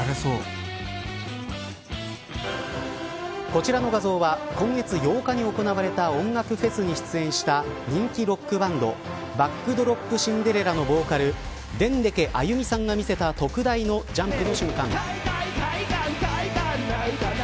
こちらの画像は今月８日に行われた音楽フェスに出演した人気ロックバンドバックドロップシンデレラのボーカル、でんでけあゆみさんが見せた特大のジャンプの瞬間。